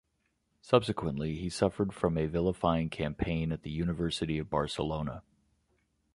Subsequently, he suffered from a vilifying campaign at the University of Barcelona.